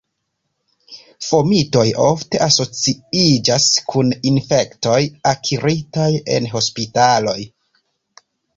Fomitoj ofte asociiĝas kun infektoj akiritaj en hospitaloj.